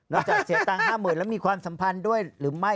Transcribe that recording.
จากเสียตังค์๕๐๐๐แล้วมีความสัมพันธ์ด้วยหรือไม่